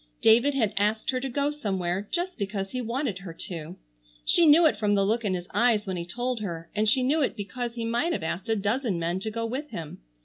David had asked her to go somewhere just because he wanted her to. She knew it from the look in his eyes when he told her, and she knew it because he might have asked a dozen men to go with him.